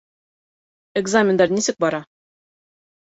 Экзамендар нисек бара?